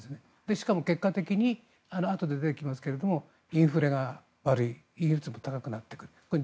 しかも結果的にあとで出てきますがインフレが悪いインフレ率も高くなってくる。